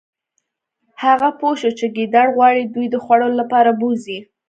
هغه پوه شو چې ګیدړ غواړي دوی د خوړلو لپاره بوزي